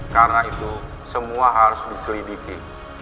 karena itu semua harus diselidiki